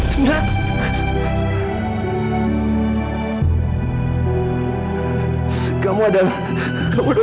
terus tarik nafas dalam dalam